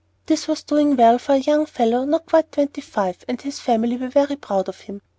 This was doing well for a young fellow not quite twenty five, and his family were very proud of him.